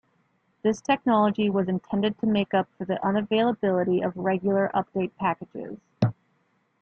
This technology was intended to make up for the unavailability of regular update packages.